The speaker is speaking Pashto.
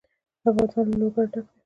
افغانستان له لوگر ډک دی.